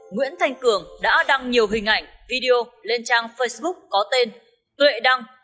nguyễn thanh cường đã đăng nhiều hình ảnh video lên trang facebook có tên tuệ đăng